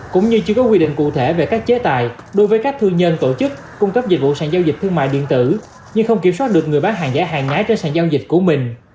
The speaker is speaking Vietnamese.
cũng như chưa có quy định cụ thể về các chế tài đối với các thương nhân tổ chức cung cấp dịch vụ sàn giao dịch thương mại điện tử nhưng không kiểm soát được người bán hàng giả hàng nhái trên sàn giao dịch của mình